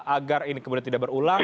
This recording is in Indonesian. agar ini kemudian tidak berulang